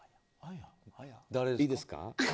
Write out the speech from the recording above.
いいですか。